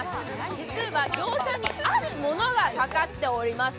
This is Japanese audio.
実は餃子にあるものがかかっております。